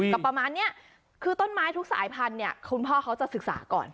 ก็ประมาณนี้คือต้นไม้ทุกสายพันธุ์เนี่ยคุณพ่อเขาจะศึกษาก่อน